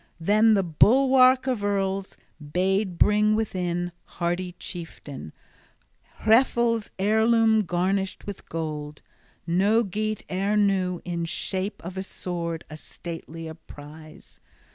Then the bulwark of earls {29a} bade bring within, hardy chieftain, Hrethel's heirloom garnished with gold: no Geat e'er knew in shape of a sword a statelier prize.